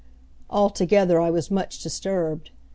Altogether I was much disturbed.